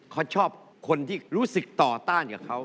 เขาชอบคนที่รู้สึกต่อต้านกับเขา